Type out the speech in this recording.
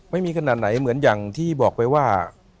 ไม่มีขนาดไหนเหมือนอย่างที่บอกไปว่า